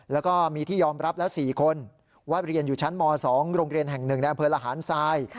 แล้วก็มีที่ยอมรับแล้ว๔คนว่าเรียนอยู่ชั้นม๒โรงเรียนแห่ง๑ในอำเภอระหารทราย